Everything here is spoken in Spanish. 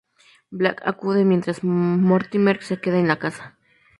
Blake acude, mientras Mortimer se queda en la casa.